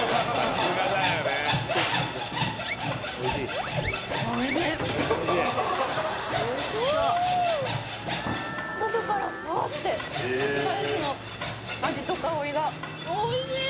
おお喉からフワってへえスパイスの味と香りがおいしい！